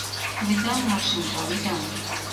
— Лӱдам, Машенька, лӱдам.